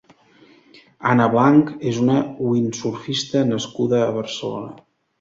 Anna Blanch és una windsurfista nascuda a Barcelona.